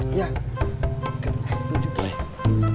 iya pak ustadz